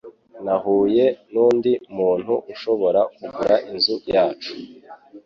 Nahuye nundi muntu ushobora kugura inzu yacu.